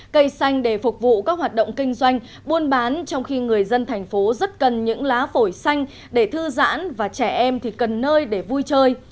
cây xanh để phục vụ các hoạt động kinh doanh buôn bán trong khi người dân thành phố rất cần những lá phổi xanh để thư giãn và trẻ em thì cần nơi để vui chơi